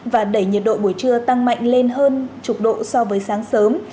và đẩy nhiệt độ buổi trưa tăng mạnh lên hơn chục độ so với sáng sớm